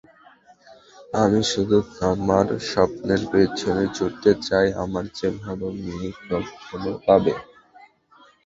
আমি শুধু আমার স্বপ্নের পিছনে ছুটতে চাই আমার চেয়ে ভাল মেয়ে কখনো পাবে?